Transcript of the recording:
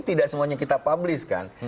tidak semuanya kita publiskan